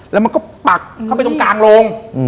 แล้วมันก็ปักเข้าไปตรงกลางโรง